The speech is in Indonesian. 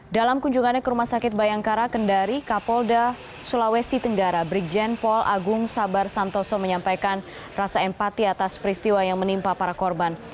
dalam kunjungannya ke rumah sakit bayangkara kendari kapolda sulawesi tenggara brigjen paul agung sabar santoso menyampaikan rasa empati atas peristiwa yang menimpa para korban